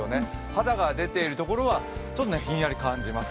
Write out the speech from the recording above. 肌が出ているところはちょっとひんやり感じます。